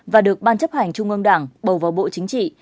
và được ban chấp hành trung ương đảng bầu vào bộ chính trị